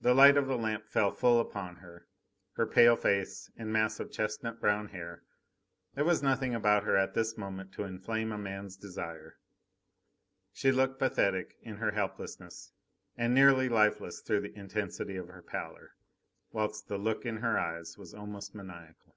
The light of the lamp fell full upon her, her pale face, and mass of chestnut brown hair. There was nothing about her at this moment to inflame a man's desire. She looked pathetic in her helplessness, and nearly lifeless through the intensity of her pallor, whilst the look in her eyes was almost maniacal.